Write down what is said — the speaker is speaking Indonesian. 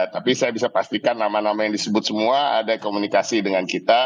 tapi saya bisa pastikan nama nama yang disebut semua ada komunikasi dengan kita